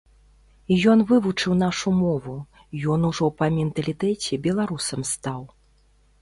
Ён вывучыў нашу мову, ён ужо па менталітэце беларусам стаў.